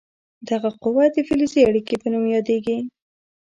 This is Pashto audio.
دغه قوه د فلزي اړیکې په نوم یادیږي.